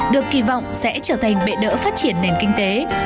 được kỳ vọng sẽ trở thành bệ đỡ phát triển nền kinh tế